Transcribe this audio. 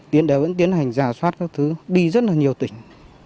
tiến đều vẫn tiến hành giả soát các thứ đi rất là nhiều tỉnh